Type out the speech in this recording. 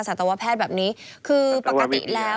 สตวแพทย์แบบนี้คือปกติแล้ว